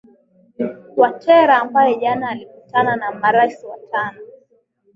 watera ambaye jana alikutana na marais watano